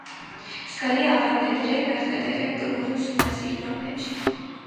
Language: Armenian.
Զգալի ավանդ է դրել նախնադարյան կրոնի ուսումնասիրման մեջ։